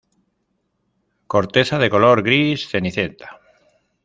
Corteza de color gris-cenicienta.